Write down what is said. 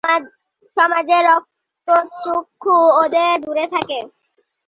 সমাজের রক্ত চক্ষু ওদের দুরে রাখে।